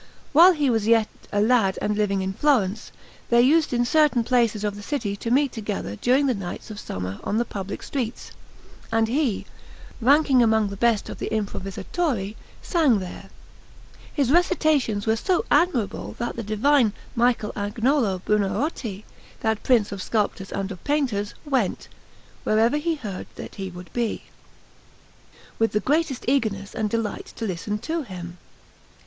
While he was yet a lad and living in Florence, they used in certain places of the city to meet together during the nights of summer on the public streets; and he, ranking among the best of the improvisatori, sang there. His recitations were so admirable, that the divine Michel Agnolo Buonarroti, that prince of sculptors and of painters, went, wherever he heard that he would be, with the greatest eagerness and delight to listen to him.